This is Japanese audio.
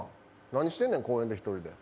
何してんねん、公園で１人で。